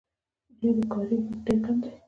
د دوی کاري مزد ډېر کم دی